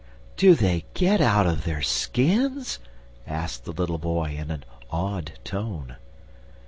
"Do they get out of their skins?" asked the little boy, in an awed tone.